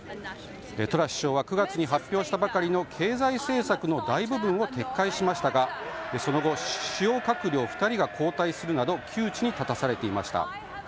トラス首相は９月に発表したばかりの経済政策の大部分を撤回しましたが、その後主要閣僚２人が交代するなど窮地に立たされていました。